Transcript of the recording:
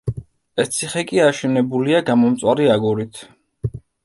ეს ციხე კი აშენებულია გამომწვარი აგურით.